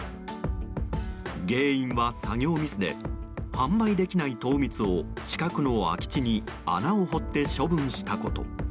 原因は作業ミスで販売できない糖蜜を近くの空き地に穴を掘って処分したこと。